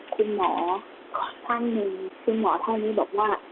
คุณหมอท่านหนึ่งคุณหมอท่านนี้บอกว่า